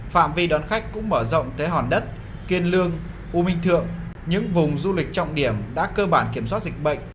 phạm vi đón khách cũng mở rộng tới hòn đất kiên lương u minh thượng những vùng du lịch trọng điểm đã cơ bản kiểm soát dịch bệnh